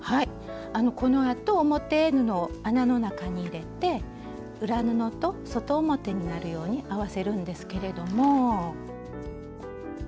このあと表布を穴の中に入れて裏布と外表になるように合わせるんですけれども。